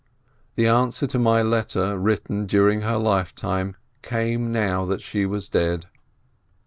The answer to my letter written during her lifetime came now that she was dead.